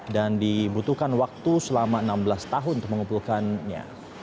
dan dibutuhkan waktu selama enam belas tahun untuk mengumpulkannya